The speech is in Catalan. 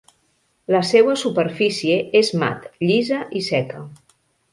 La seua superfície és mat, llisa i seca.